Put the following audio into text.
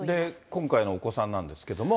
今回のお子さんなんですけども。